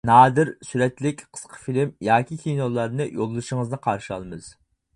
نادىر سۈرەتلىك قىسقا فىلىم، ياكى كىنولارنى يوللىشىڭىزنى قارشى ئالىمىز!